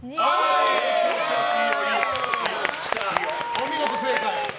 お見事、正解。